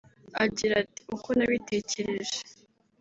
Agira ati «Uko nabitekereje